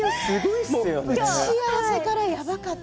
打ち合わせからやばかった。